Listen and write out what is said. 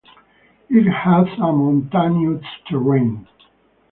It has a mountainous terrain.